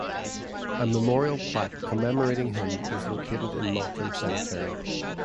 A memorial plaque commemorating him is located in Mottram Cemetery.